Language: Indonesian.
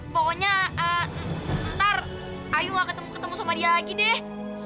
pokoknya ntar ayu nggak ketemu ketemu sama dia lagi deh